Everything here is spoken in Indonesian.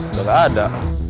udah gak ada